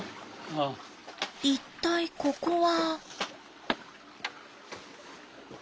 一体ここは？